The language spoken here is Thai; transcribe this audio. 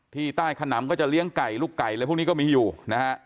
ที่ใต้ขนำก็จะเลี้ยงไก่ลูกไก่อะไรพวกนี้ก็มีอยู่นะฮะ